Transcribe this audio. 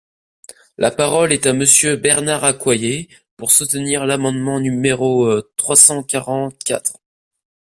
La parole est à Monsieur Bernard Accoyer, pour soutenir l’amendement numéro trois cent quarante-quatre.